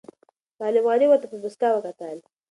معلم غني ورته په موسکا وکتل.